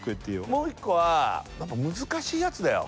もう１個は難しいやつだよ